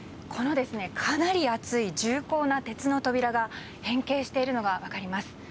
かなり厚い重厚な鉄の扉が変形しているのが分かります。